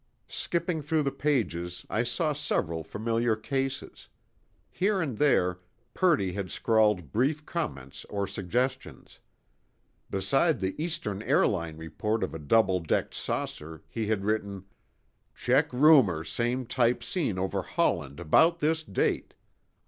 Skipping through the pages, I saw several familiar cases. Here and there, Purdy had scrawled brief comments or suggestions. Beside the Eastern Airline report of a double decked saucer, he had written: "Check rumor same type seen over Holland about this date.